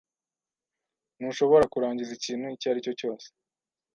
Ntushobora kurangiza ikintu icyo ari cyo cyose.